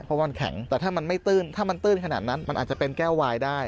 เพราะว่ามันแข็งแต่ถ้ามันไม่ตื้นถ้ามันตื้นขนาดนั้นมันอาจจะเป็นแก้ววายได้